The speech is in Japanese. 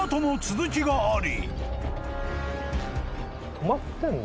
止まってんの？